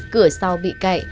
cửa sau bị cậy